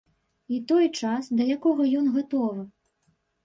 І той час, да якога ён гатовы.